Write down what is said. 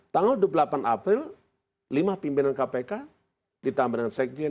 tanggal dua puluh delapan april lima pimpinan kpk ditambah dengan sekjen